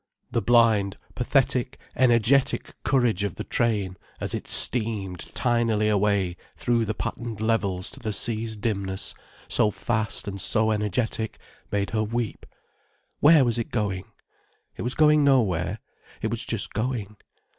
The blind, pathetic, energetic courage of the train as it steamed tinily away through the patterned levels to the sea's dimness, so fast and so energetic, made her weep. Where was it going? It was going nowhere, it was just going.